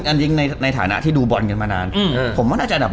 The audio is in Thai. แล้วอันยิ่งในฐานะที่ดูบอลกันมานานผมว่าน่าจะอันดับ๑